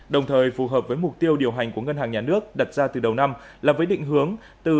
đồng thời phù hợp với mục tiêu điều hành của ngân hàng nhà nước đặt ra từ đầu năm là với định hướng một mươi bốn một mươi năm